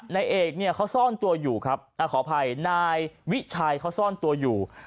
นายเอกเนี่ยเขาซ่อนตัวอยู่ครับขออภัยนายวิชัยเขาซ่อนตัวอยู่